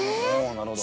なるほど。